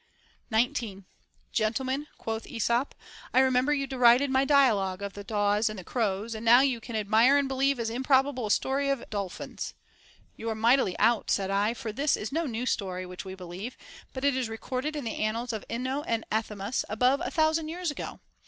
19. Gentlemen, quoth Esop, I remember you derided my dialogue of the daws and crows ; and now you can admire and believe as improbable a story of dolphins. You are mightily out, said I, for this is no new story which Ave believe, but it is recorded in the annals of Ino and Athamas above a thousand years ago.